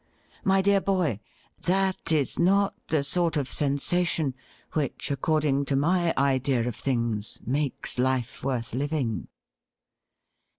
My dear boy, that is not the sort of 160 THE RIDDLE RING sensation which, according to my idea of things, makes life worth living.'